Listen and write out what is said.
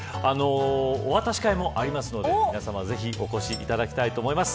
お渡し会もありますのでぜひ、皆さまお越しいただきたいと思います。